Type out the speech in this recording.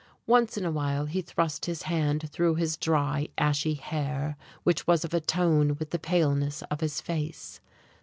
Once in a while he thrust his hand through his dry, ashy hair which was of a tone with the paleness of his face.